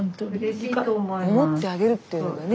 スタジオ思ってあげるっていうのがね